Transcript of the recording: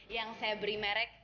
yang saya beri merek